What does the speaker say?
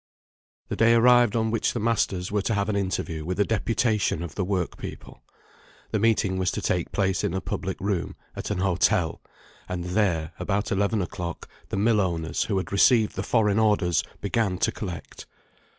The day arrived on which the masters were to have an interview with a deputation of the work people. The meeting was to take place in a public room, at an hotel; and there, about eleven o'clock, the mill owners, who had received the foreign orders, began to collect.